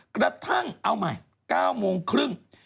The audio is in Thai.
กระทั่งเอาใหม่๙โมงครึ่ง